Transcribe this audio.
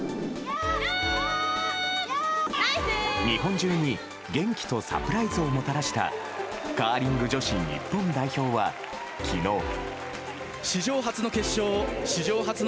日本中に元気とサプライズをもたらしたカーリング女子日本代表は昨日。